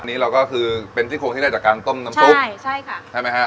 อันนี้เราก็คือเป็นซี่โครงที่ได้จากการต้มน้ำซุปใช่ใช่ค่ะใช่ไหมฮะ